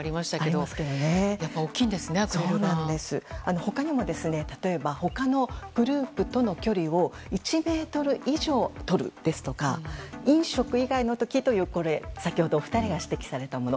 他にも、例えば他のグループとの距離を１ｍ以上とるですとか飲食以外の時と先ほど、お二人が指摘されたもの。